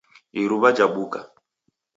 Iruw'a jabuka.